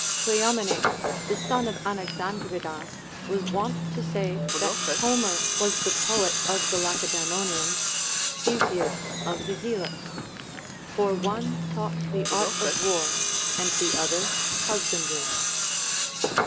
Cleomenes, the son of Anaxandridas, was Avont to say that Homer was the poet of the Lacedaemonians, Hesiod of the Helots ; for one taught the art of war, and the other husbandry.